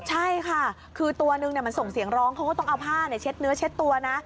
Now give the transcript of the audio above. ใช่ค่ะคือตัวนึงมันส่งเสียงร้องเขาก็ต้องเอาผ้าเช็ดเนื้อเช็ดตัวนะ